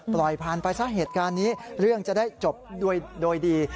ปล่อยผ่านไปซะเหตุการณ์นี้เรื่องจะได้จบโดยดี